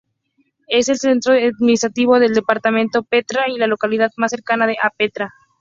Es el centro administrativo del departamento Petra y la localidad más cercana a Petra.